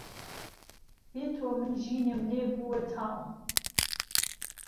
بێ تۆ من ژینم لێ بووه تاڵ